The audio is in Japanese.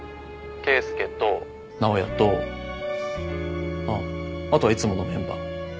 圭介と尚也とあっあとはいつものメンバー。